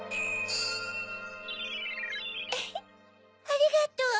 ありがとう。